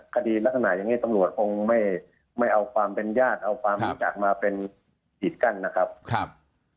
คดีลักษณะอย่างนี้ตำรวจคงไม่เอาความเป็นญาติเอาความรู้จักมาเป็นกีดกั้นนะครับ